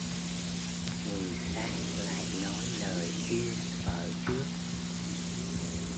Người khác lại nói lời yêu thuở trước